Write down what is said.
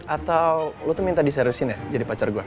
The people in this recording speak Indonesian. atau lo tuh minta diserusin ya jadi pacar gue